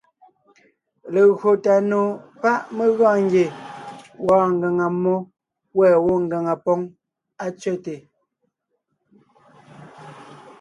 Legÿo tà nò pá’ mé gɔɔn ngie wɔɔn ngàŋa mmó, wὲ gwɔ́ ngàŋa póŋ á tsẅέte.